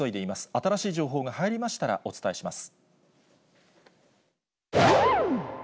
新しい情報が入りましたら、お伝えします。